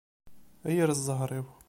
A yir ẓẓher-iw!